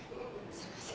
すいません。